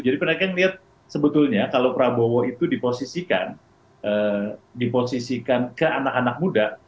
jadi mereka melihat sebetulnya kalau prabowo itu diposisikan diposisikan ke anak anak muda